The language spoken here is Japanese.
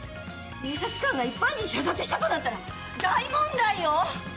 警察官が一般人を射殺したとなったら大問題よ！